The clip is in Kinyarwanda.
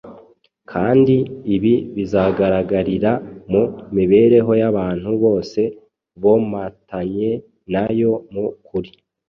kandi ibi bizagaragarira mu mibereho y’abantu bose bomatanye na yo mu kuri.